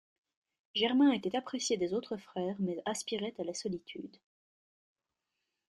Germain était apprécié des autres frères mais aspirait à la solitude.